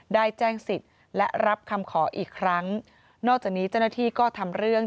ได้แจ้งสิทธิ์และรับคำขออีกครั้งนอกจากนี้เจ้าหน้าที่ก็ทำเรื่อง